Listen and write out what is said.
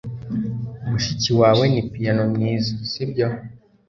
Mushiki wawe ni piyano mwiza, sibyo?